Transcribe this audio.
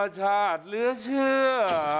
ษวรรษลื้อเชื่อ